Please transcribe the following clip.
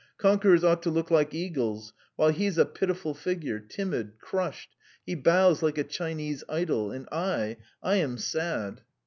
Conquerors ought to look like eagles, while he's a pitiful figure, timid, crushed; he bows like a Chinese idol, and I, I am sad.